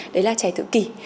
đấy là trẻ tự kỷ